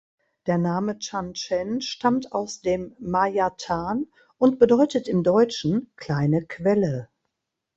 Der Name „Chan Chen“ stammt aus dem Mayathan und bedeutet im Deutschen „Kleine Quelle“.